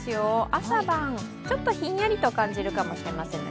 朝晩、ちょっとひんやりと感じるかもしれないですね